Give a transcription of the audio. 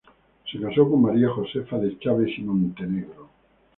Se casó con María Josefa de Chaves y Montenegro.